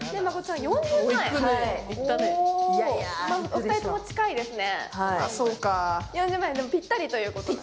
お二人とも近いですね。